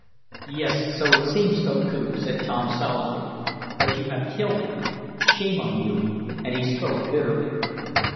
"Yes, so it seems, Koku," said Tom, solemnly, "but you have killed him. Shame on you!" and he spoke bitterly.